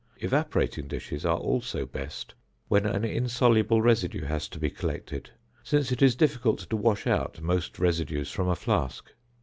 Evaporating dishes are also best when an insoluble residue has to be collected, since it is difficult to wash out most residues from a flask.